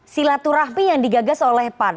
silaturahmi yang digagas oleh pan